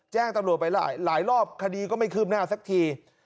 แจ้งตำรวจไปหลายรอบคดีก็ไม่คืบหน้าสักที